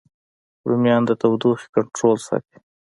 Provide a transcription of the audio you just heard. رومیان د تودوخې کنټرول ساتي